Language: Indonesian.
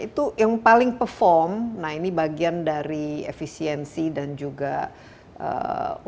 itu yang paling perform nah ini bagian dari efisiensi dan juga untuk meningkatkan prosesnya